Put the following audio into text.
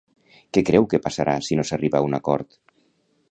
Què creu que passarà si no s'arriba a un acord?